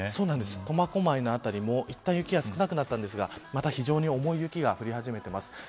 苫小牧の辺りもいったん雪が少なくなったんですがまた非常に重い雪が降り始めてます。